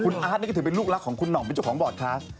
คุณอาร์ตนี่ก็ถือเป็นลูกรักของคุณห่องเป็นเจ้าของบอร์ดคลาส